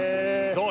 どう？